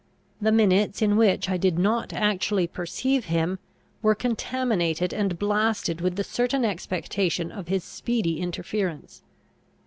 The minutes in which I did not actually perceive him, were contaminated and blasted with the certain expectation of his speedy interference.